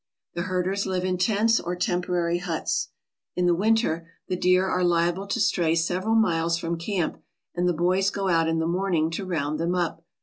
The herders live in tents or temporary huts. In the winter the deer are liable to stray several miles from camp, and the boys go out in the morn ing to round them up.